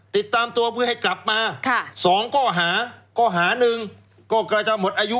ติดตามตัวเพื่อให้กลับมาส่องก็หาหาหนึ่งก็จะหมดอายุ